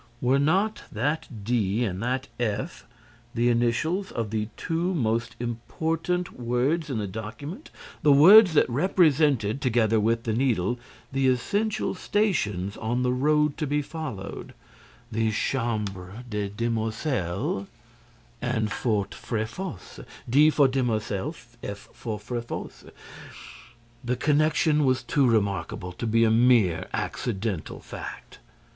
Were not that D and that F the initials of the two most important words in the document, the words that represented—together with the Needle—the essential stations on the road to be followed: the Chambre des Demoiselles and Fort Fréfossé: D for Demoiselles, F for Fréfossé: the connection was too remarkable to be a mere accidental fact.